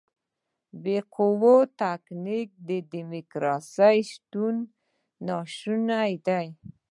بې له قواوو تفکیک د دیموکراسۍ شتون ناشونی دی.